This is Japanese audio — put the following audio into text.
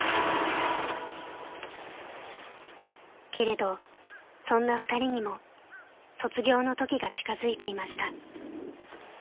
［けれどそんな２人にも卒業の時が近づいていました］